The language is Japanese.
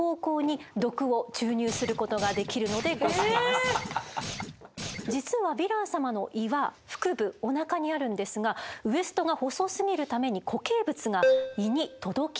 これによって実はヴィラン様の胃は腹部おなかにあるんですがウエストが細すぎるために固形物が胃に届きません。